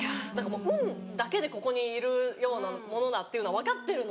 運だけでここにいるようなものだというのは分かってるので。